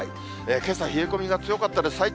けさ、冷え込みが強かったです。